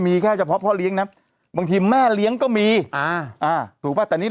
มีแค่เฉพาะพ่อเลี้ยงนะบางทีแม่เลี้ยงก็มีอ่าอ่าถูกป่ะแต่นี่